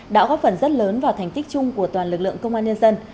đã góp phần rất lớn vào thành tích chung của toàn lực lượng công an nhân dân